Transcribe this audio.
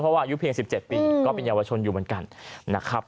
เพราะว่ายุทธิ์แค่๑๗ปีก็เป็นยาวชนอยู่เหมือนกัน